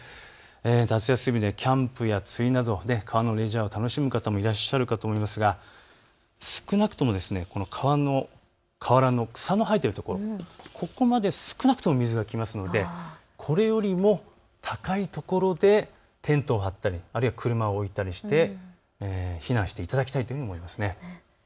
夏休みでキャンプや釣りなど川のレジャーを楽しむ方もいらっしゃるかと思いますが少なくとも河原の草の生えているところ、ここまで少なくとも水が来ますのでこれよりも高い所でテントを張ったりあるいは車を置いたりして避難していただきたいというふうに思います。